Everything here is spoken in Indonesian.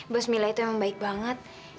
bos mila itu emang baik banget